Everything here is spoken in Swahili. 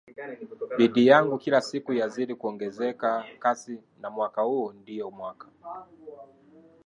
bidii yangu kila siku yazidi kuongeza kasi na mwaka huu ndio mwaka